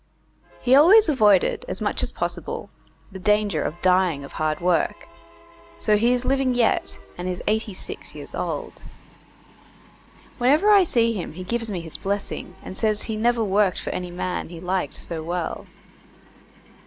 He always avoided, as much as possible, the danger of dying of hard work, so he is living yet, and is eighty six years old. Whenever I see him he gives me his blessing, and says he never worked for any man he liked so well.